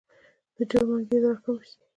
د جرم انګېزه راکمه شي.